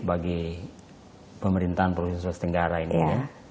bagi pemerintahan provinsi sulawesi tenggara ini ya